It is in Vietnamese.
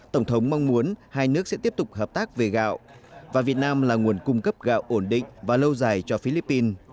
tổng thống mong muốn hai nước sẽ tiếp tục hợp tác về gạo và việt nam là nguồn cung cấp gạo ổn định và lâu dài cho philippines